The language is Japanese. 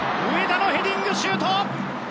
上田のヘディングシュート！